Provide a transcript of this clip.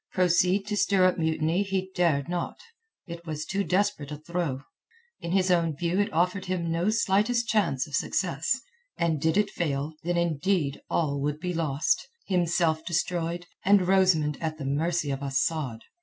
Proceed to stir up mutiny he dared not. It was too desperate a throw. In his own view it offered him no slightest chance of success, and did it fail, then indeed all would be lost, himself destroyed, and Rosamund at the mercy of Asad.